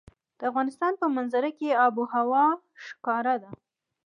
د افغانستان په منظره کې آب وهوا ښکاره ده.